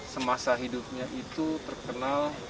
semasa hidupnya itu terkenal